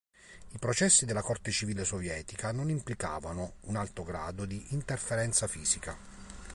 I processi della Corte civile sovietica non implicavano un alto grado di interferenza fisica.